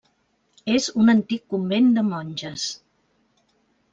És un antic convent de monges.